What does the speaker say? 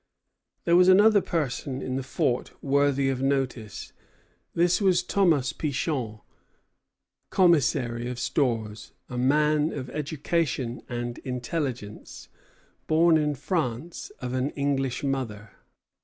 There was another person in the fort worthy of notice. This was Thomas Pichon, commissary of stores, a man of education and intelligence, born in France of an English mother.